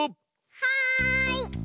はい！